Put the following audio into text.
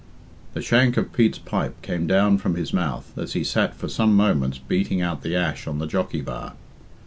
The shank of Pete's pipe came down from his mouth as he sat for some moments beating out the ash on the jockey bar.